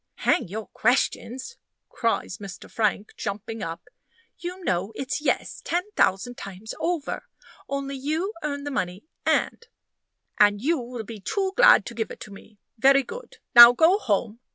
"Hang your questions!" cries Mr. Frank, jumping up; "you know it's Yes ten thousand times over. Only you earn the money and " "And you will be too glad to give it to me. Very good. Now go home.